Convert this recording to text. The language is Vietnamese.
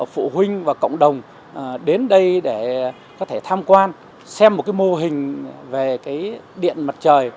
phụ huynh và cộng đồng đến đây để tham quan xem một mô hình về điện mặt trời